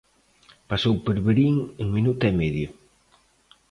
Pasou por Verín en minuto e medio.